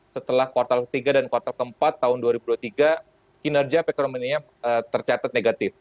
setelah kuartal ketiga dan kuartal keempat tahun dua ribu dua puluh tiga kinerja perekonomiannya tercatat negatif